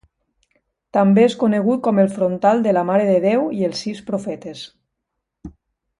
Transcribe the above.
També és conegut com el Frontal de la Mare de Déu i els sis profetes.